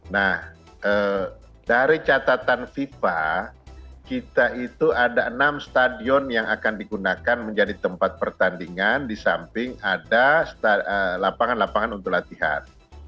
nah dari catatan fifa kita itu ada enam stadion yang akan digunakan menjadi tempat pertandingan di samping ada lapangan lapangan untuk latihan